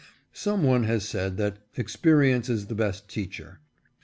Some one has said that " experience is the best teach er."